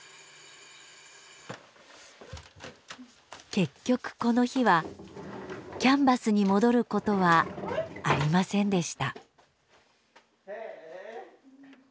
結局この日はキャンバスに戻ることはありませんでした。